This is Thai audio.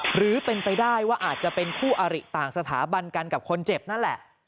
หรือเป็นไปได้ว่าอาจจะเป็นคู่อาริต่างสถาบันกันกับคนเจ็บนั่นแหละ